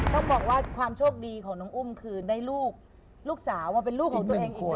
ต้องบอกว่าความโชคดีของน้องอุ้มคือได้ลูกลูกสาวมาเป็นลูกของตัวเองอีก